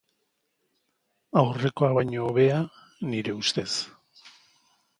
Aurrekoa baino hobea, nire ustez.